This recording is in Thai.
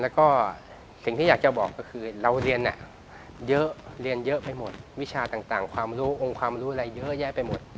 แล้วก็สิ่งที่อยากจะบอกก็คือเราเรียนเยอะเรียนเยอะไปหมดวิชาต่างความรู้องค์ความรู้อะไรเยอะแยะไปหมด